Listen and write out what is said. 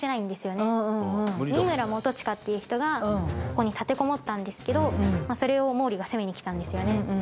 三村元親っていう人がここに立てこもったんですけどそれを毛利が攻めに来たんですよね。